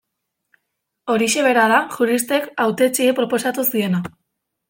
Horixe bera da juristek hautetsiei proposatu ziena.